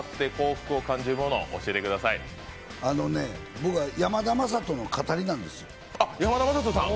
僕は山田雅人のかたりなんですよ。